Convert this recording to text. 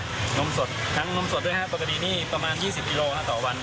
นกนมสดร้านนมสดด้วยฮะปกตินี้ประมาณยี่สิบกิโลน่ะต่อวัน